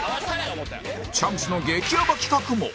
チャンスの激ヤバ企画も